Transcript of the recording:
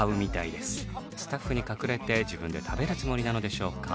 スタッフに隠れて自分で食べるつもりなのでしょうか？